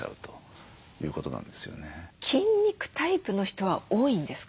筋肉タイプの人は多いんですか？